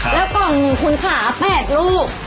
แล้วกล่องคุณขา๘ลูก